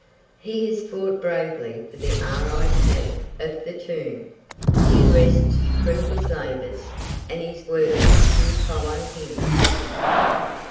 He has fought bravely for the R.I.P. of the tomb. He rests from his labours, and his works do follow him.